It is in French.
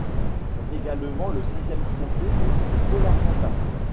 C'est également le sixième trophée pour le football argentin.